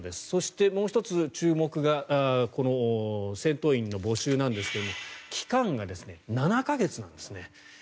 そして、もう１つ注目が戦闘員の募集なんですが期間が７か月なんですね。